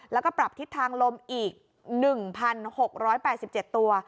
แล้วก็ปรับทิศทางลมอีก๑๖๘๗ตัว